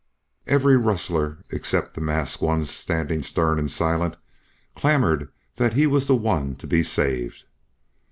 Every rustler, except the masked ones standing stern and silent, clamored that he was the one to be saved.